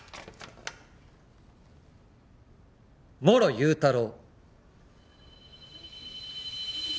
諸祐太郎